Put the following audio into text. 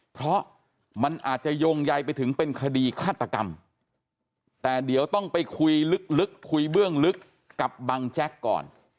เพราะมันอาจจะโยงใยไปถึงเป็นคดีฆาตกรรมแต่เดี๋ยวต้องไปคุยลึกคุยเบื้องลึกกับบังแจ๊กก่อน